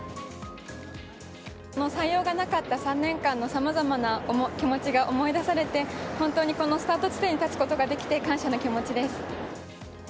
採用がなかった３年間のさまざまな気持ちが思い出されて、本当にこのスタート地点に立つことができて感謝の気持ちです。